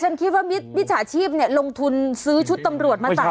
ฉันคิดว่าวิทยาชีพเนี้ยลงทุนซื้อชุดตำรวจมาตัด